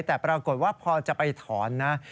แต่ปรากฏว่าพอจะไปถอนนะ